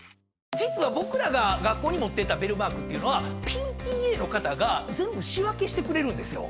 実は僕らが学校に持ってったベルマークっていうのはＰＴＡの方が全部仕分けしてくれるんですよ。